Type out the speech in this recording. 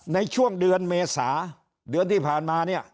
ในช่วงเดือนเมษาเดือนที่ผ่านมาเนี่ย